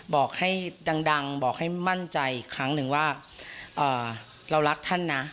บอกให้ดังบอกให้มั่นใจอีกครั้งหนึ่งว่าเรารักท่านนะ